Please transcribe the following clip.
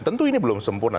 tentu ini belum sempurna